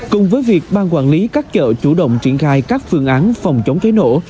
cùng với việc bang quản lý các chợ chủ động triển khai các phương án phòng chống cháy nổ